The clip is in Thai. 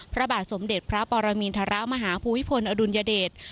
พระบาทสมเด็จพระปรมินทรมาฮภูมิพลอดุลยเดช